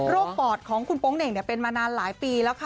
โรคปอดของคุณป้องเด่งเป็นมานานหลายปีแล้ว